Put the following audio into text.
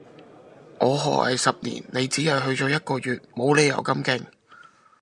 我學藝十年，你只係去咗一個月，冇理由咁勁